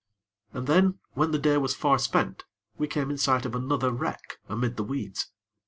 And then, when the day was far spent, we came in sight of another wreck amid the weeds.